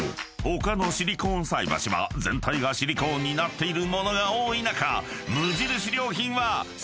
他のシリコーン菜箸は全体がシリコーンになっている物が多い中］